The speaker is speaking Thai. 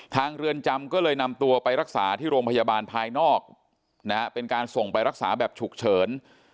เรือนจำก็เลยนำตัวไปรักษาที่โรงพยาบาลภายนอกนะฮะเป็นการส่งไปรักษาแบบฉุกเฉิน